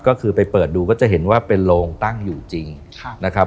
ก็คือไปเปิดดูก็จะเห็นว่าเป็นโรงตั้งอยู่จริงนะครับ